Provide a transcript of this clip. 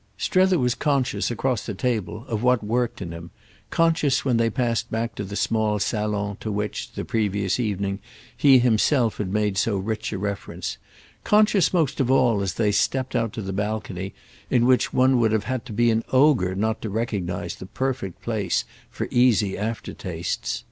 Strether was conscious across the table of what worked in him, conscious when they passed back to the small salon to which, the previous evening, he himself had made so rich a reference; conscious most of all as they stepped out to the balcony in which one would have had to be an ogre not to recognise the perfect place for easy aftertastes.